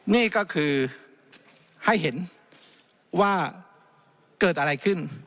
นี่ก็คือให้เห็นว่าเกิดอะไรขึ้น